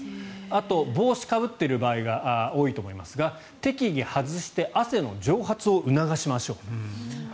あと、帽子をかぶっている場合が多いと思いますが適宜、外して汗の蒸発を促しましょう。